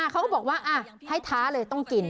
เขาก็บอกว่าให้ท้าเลยต้องกิน